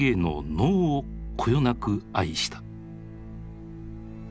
能をこよなく愛した。